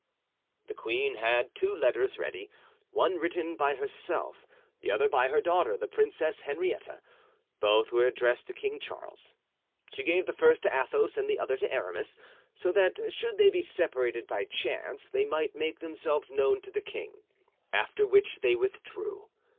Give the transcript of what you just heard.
The queen had two letters ready, one written by herself, the other by her daughter, the Princess Henrietta. Both were addressed to King Charles. She gave the first to Athos and the other to Aramis, so that should they be separated by chance they might make themselves known to the king; after which they withdrew.